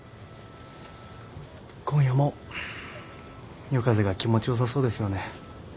今夜も夜風が気持ち良さそうですよね。